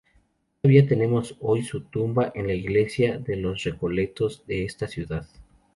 Todavía vemos hoy su tumba en la Iglesia de los Recoletos de esta ciudad.